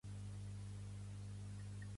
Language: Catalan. Els arquitectes van ser M. F. Markovsky i Ya.